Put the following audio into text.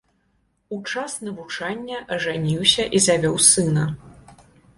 У час навучання ажаніўся і завёў сына.